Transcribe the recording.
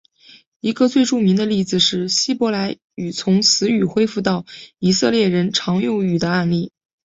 一个最著名的例子是希伯来语从死语恢复到以色列人日常用语的案例。